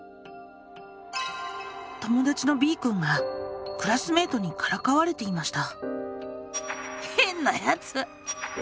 友だちのＢくんがクラスメートにからかわれていました。